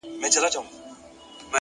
پوهه د فکر تیاره زاویې روښانوي